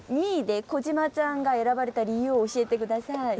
２位で小島さんが選ばれた理由を教えて下さい。